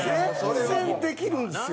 全然できるんですよ。